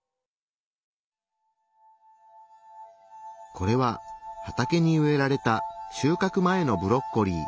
これは畑に植えられた収かく前のブロッコリー。